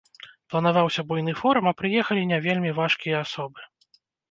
Планаваўся буйны форум, а прыехалі не вельмі важкія асобы.